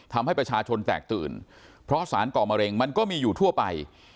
ทำให้ประชาชนแตกตื่นเพราะสารก่อมะเร็งมันก็มีอยู่ทั่วไป